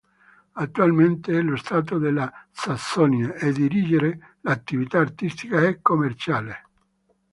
Attualmente è lo stato della Sassonia a dirigere l'attività artistica e commerciale.